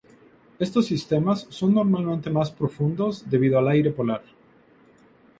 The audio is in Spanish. Estos sistemas son normalmente más profundos debido al aire polar.